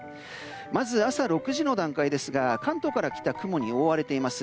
まず朝６時の段階ですが関東から北は雲に覆われています。